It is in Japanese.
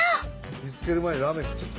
見つける前にラーメン食っちゃった。